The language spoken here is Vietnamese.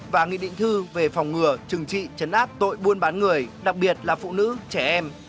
và nghị định thư về phòng ngừa trừng trị chấn áp tội buôn bán người đặc biệt là phụ nữ trẻ em